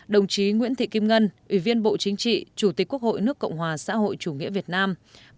đồng chí nguyễn thị kim ngân ủy viên bộ chính trị chủ tịch quốc hội nước cộng hòa xã hội chủ nghĩa việt nam